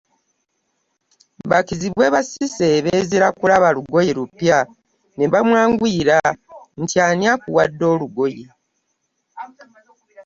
Bakizibwe ba Cissy beezira kulaba lugoye lupya ne bamwanguyira nti ani akuwadde olugoye?